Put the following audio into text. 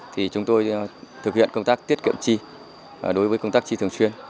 thì chúng tôi thực hiện công tác tiết kiệm chi đối với công tác chi thường xuyên